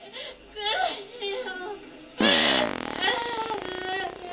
苦しいよ！